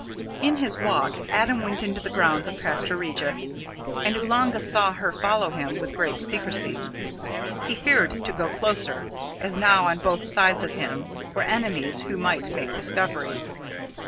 In his walk, Adam went into the grounds of Castra Regis, and Oolanga saw her follow him with great secrecy. He feared to go closer, as now on both sides of him were enemies who might make discovery.